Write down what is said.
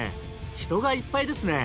人がいっぱいですね！